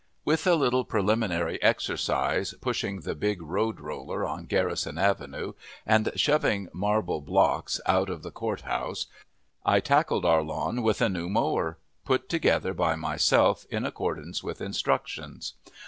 With a little preliminary exercise, pushing the big road roller on Garrison avenue and shoving marble blocks out of the Courthouse, I tackled our lawn with a new mower, put together by myself in accordance with instructions.